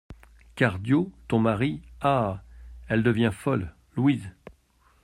Cadio, ton mari ? Ah ! elle devient folle ! LOUISE.